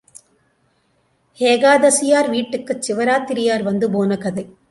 ஏகாதசியார் வீட்டுக்குச் சிவராத்திரியார் வந்து போன கதை.